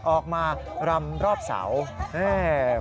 ออกมารำรอบเสา